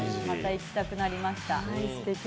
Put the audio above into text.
また行きたくなりました。